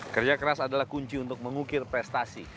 kerja keras adalah kunci untuk mengukir prestasi